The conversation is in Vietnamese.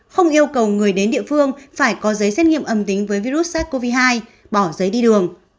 không yêu cầu người đến địa phương phải có giấy xét nghiệm âm tính với virus sars cov hai bỏ giấy đi đường